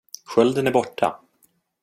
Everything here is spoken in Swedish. Skölden är borta!